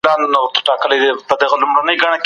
هیڅوک له سزا څخه نه خلاصیږي.